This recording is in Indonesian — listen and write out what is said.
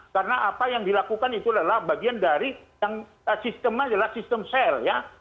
karena apa yang dilakukan itu adalah bagian dari yang sistemnya adalah sistem sel